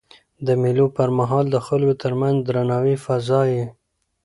د مېلو پر مهال د خلکو ترمنځ د درناوي فضا يي.